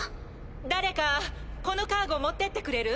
誰かこのカーゴ持ってってくれる？